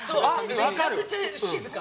めちゃくちゃ静か。